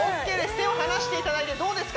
手を離していただいてどうですか？